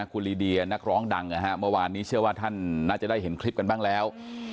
คุณลีเดียนักร้องดังนะฮะเมื่อวานนี้เชื่อว่าท่านน่าจะได้เห็นคลิปกันบ้างแล้ว